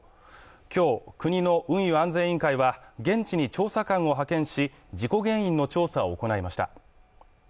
今日、国の運輸安全委員会は現地に調査官を派遣し、事故原因の調査を行いました。